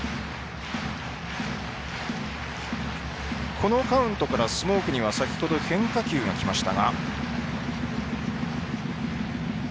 このカウントからスモークには先ほどから変化球がきました。